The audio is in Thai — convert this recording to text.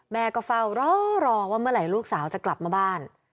แม่ก็เฝ้ารอรอว่าเมื่อไหร่ลูกสาวจะกลับมาบ้าน